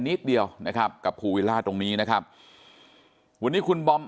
นิดเดียวนะครับกับภูวิลล่าตรงนี้นะครับวันนี้คุณบอม